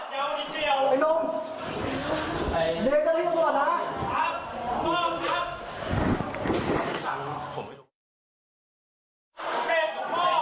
โปรเตรกของพ่อ